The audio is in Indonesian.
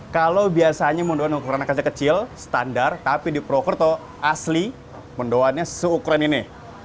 kalau biasanya mendoan ukuran akade kecil standar tapi di purwokerto asli mendoannya seukuran ini